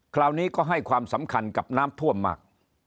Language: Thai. คราวนี้ก็ให้ความสำคัญกับน้ำท่วมมาก